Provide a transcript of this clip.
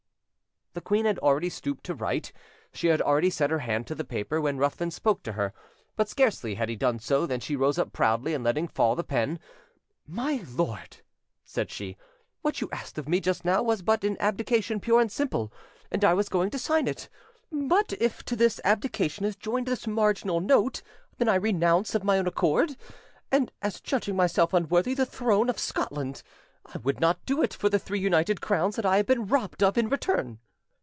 The queen had already stooped to write, she had already set her hand to the paper, when Ruthven spoke to her. But scarcely had he done so, than she rose up proudly, and letting fall the pen, "My lord," said she, "what you asked of me just now was but an abdication pure and simple, and I was going to sign it. But if to this abdication is joined this marginal note, then I renounce of my own accord, and as judging myself unworthy, the throne of Scotland. I would not do it for the three united crowns that I have been robbed of in turn."